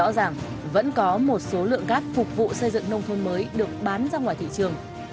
rõ ràng vẫn có một số lượng cát phục vụ xây dựng nông thôn mới được bán ra ngoài thị trường